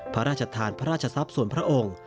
พระราชทานพระราชทรัพย์ส่วนพระองค์